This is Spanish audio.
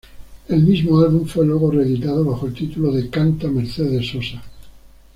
El mismo álbum fue luego reeditado bajo el título de "Canta Mercedes Sosa".